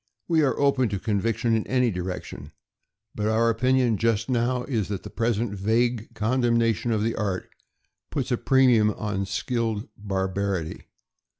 We are open to conviction in any direction, but our opinion just now is that the present vague condemnation of the art puts a premium on skilled bar barity.